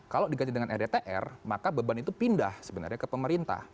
kalau diganti dengan rdtr maka beban itu pindah sebenarnya ke pemerintah